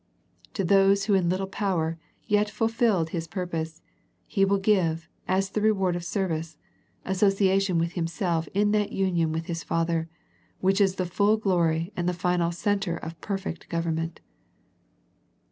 To those who in little power, yet fulfil His purpose. He will give, as the reward of serv ice, association with Himself in that union with His Father, which is the full glory and the final centre of perfect government.